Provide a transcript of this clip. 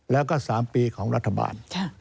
แล้วก็๓ปีของรัฐบาล